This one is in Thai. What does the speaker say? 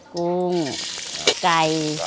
กุ้งไก่